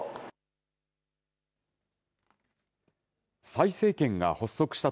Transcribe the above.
蔡政権が発足した